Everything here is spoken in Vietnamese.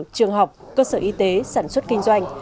trường học cơ sở y tế sản xuất kinh doanh